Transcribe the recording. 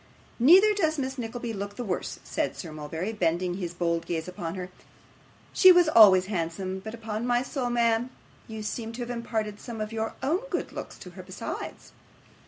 'Neither does Miss Nickleby look the worse,' said Sir Mulberry, bending his bold gaze upon her. 'She was always handsome, but upon my soul, ma'am, you seem to have imparted some of your own good looks to her besides.